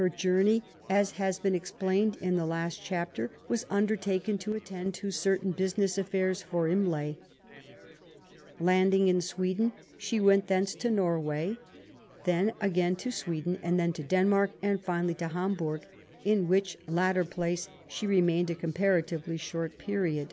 Her journey, as has been explained in the last chapter, was under taken to attend to certain business afiPairs for Imlay* Landing in Sweden, she went thence to Norway, then again to Sweden and then to Denmark, and finally to Hamburg, in which latter place she remained a comparatively short period.